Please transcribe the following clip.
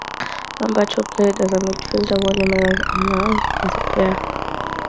Lambert, who played as a midfielder, won numerous honours as a player.